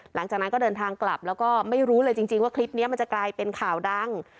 หลังจากนั้นก็เดินทางกลับแล้วก็ไม่รู้เลยจริงว่าคลิปนี้มันจะกลายเป็นข่าวดัง